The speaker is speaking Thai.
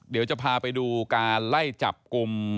เดี๋ยวจะพาไปดูการไล่จับกลุ่ม